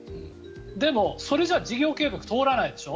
でも、それじゃ事業計画が通らないでしょ？